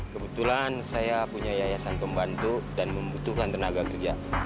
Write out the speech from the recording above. kebetulan saya punya yayasan pembantu dan membutuhkan tenaga kerja